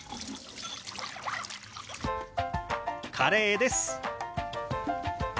カレーです。